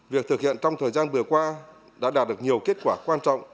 việc thực hiện trong thời gian vừa qua đã đạt được nhiều kết quả quan trọng